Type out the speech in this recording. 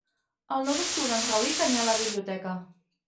El nou d'octubre en Rauric anirà a la biblioteca.